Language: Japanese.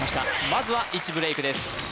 まずは１ブレイクです